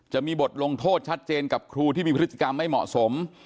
จะมีบทลงโทษชัดเจนกับครูที่มีพฤติกรรมไม่เหมาะสม